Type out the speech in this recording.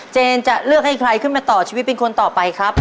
เจนจะเลือกให้ใครขึ้นมาต่อชีวิตเป็นคนต่อไปครับ